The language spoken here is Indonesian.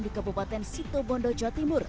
di kabupaten sito bondo jawa timur